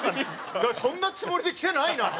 そんなつもりで来てないな。